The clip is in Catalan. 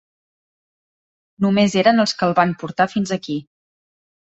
Només eren els que el van portar fins aquí.